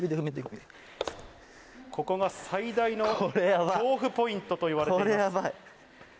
ここが最大の恐怖ポイントといわれています。